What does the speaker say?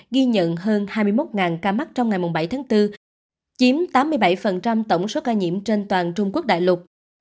ghi nhận hơn hai mươi một ca mắc trong ngày bảy tháng bốn chiếm tám mươi bảy tổng số ca nhiễm trên toàn trung quốc đại lục